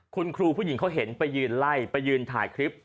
คุณครูผู้หญิงเขาเห็นไปยืนไล่ไปยืนถ่ายคลิป